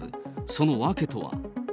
その訳とは。